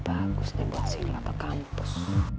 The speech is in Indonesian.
bagus nih buat singapapu kampus